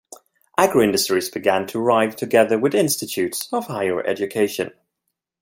Agroindustries began to arrive together with institutes of higher education.